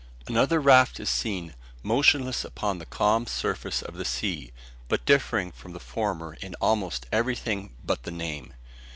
Another raft is seen motionless upon the calm surface of the sea, but differing from the former in almost everything but the name.